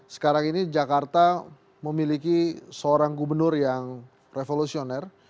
sekarang ini jakarta memiliki seorang gubernur yang revolusioner